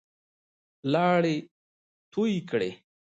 لاړې يې تو کړې.